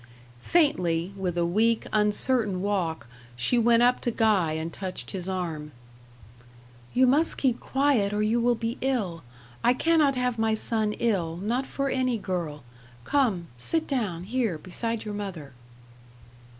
Faintly, with a weak, uncertain walk, she went up to Guy and touched his arm. "You must keep quiet, or you will be ill. I cannot have my son ill not for any girl. Come, sit down here, beside your mother."